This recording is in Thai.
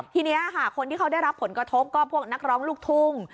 ทีนี้ค่ะคนที่เขาได้รับผลกระทบก็พวกนักร้องลูกทุ่ง